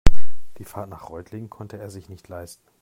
Die Fahrt nach Reutlingen konnte er sich nicht leisten